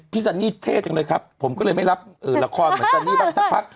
ซันนี่เท่จังเลยครับผมก็เลยไม่รับละครเหมือนซันนี่บ้างสักพัก